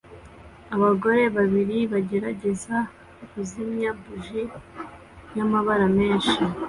Abagore babiri bagerageza kuzimya buji y'amabara menshi